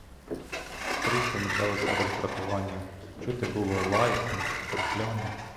Скрізь помічалося роздратування, чути було лайку, прокльони.